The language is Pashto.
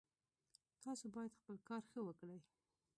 تاسو باید خپل کار ښه وکړئ